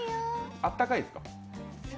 あったかいですか？